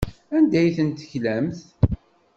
Anda ay ten-teklamt?